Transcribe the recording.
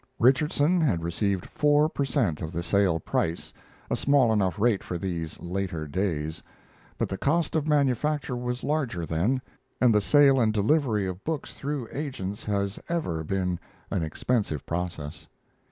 Richardson had received four per cent. of the sale price, a small enough rate for these later days; but the cost of manufacture was larger then, and the sale and delivery of books through agents has ever been an expensive process.